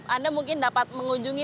anda mungkin dapat mengunjungi